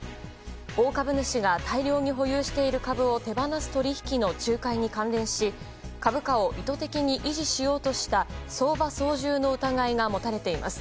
大株主が、大量に保有している株を手放す取引の仲介に関連し株価を意図的に維持しようとした相場操縦の疑いが持たれています。